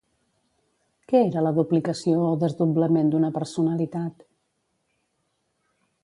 Què era la duplicació o desdoblament d'una personalitat?